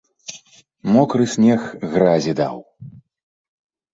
Мокры снег гразі даў.